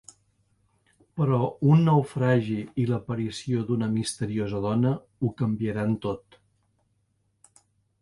Però un naufragi i l’aparició d’una misteriosa dona ho canviaran tot.